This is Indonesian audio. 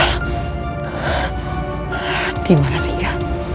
hati marah dia